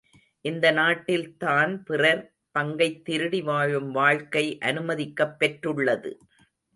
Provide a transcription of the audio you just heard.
இந்த நாட்டில் தான் பிறர் பங்கைத் திருடி வாழும் வாழ்க்கை அனுமதிக்கப் பெற்றுள்ளது.